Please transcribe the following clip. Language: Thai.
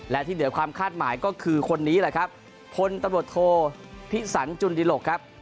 และที่เหนือความคาดหมายก็คือคนนี้แหละครับพลตำรวจโทพิสันจุนดิหลกครับ